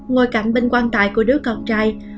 ngồi cạnh bên quan tài của đứa con trai